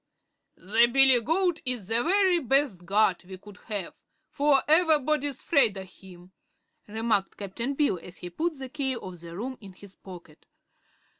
"The billygoat is the very best guard we could have, for ever'body's 'fraid o' him," remarked Cap'n Bill, as he put the key of the room in his pocket.